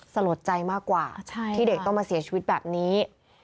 สลดใจมากกว่าที่เด็กต้องมาเสียชีวิตแบบนี้